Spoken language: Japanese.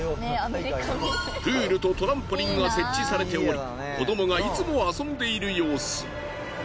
プールとトランポリンが設置されており子どもがいつも遊んでいる様子。